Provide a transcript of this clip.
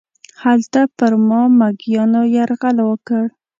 هلته پر ما میږیانو یرغل وکړ.